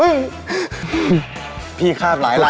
ลืมด้วยกันหน่อยมั้ยครับ